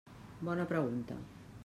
Bona pregunta.